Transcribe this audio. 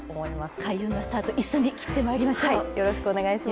開運のスタート一緒に切ってまいりましょう。